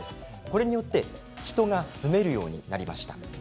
これによって人が住めるようになりました。